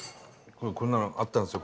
こんなのあったんですよ。